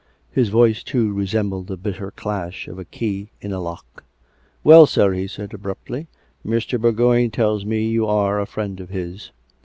His voice, too, resembled the bitter clash of a key in a lock. " Well, sir," he said abruptly, " Mr. Bourgoign tells me you are a friend of his."